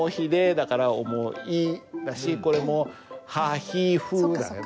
だから「思い」だしこれも「はひふ」だよね。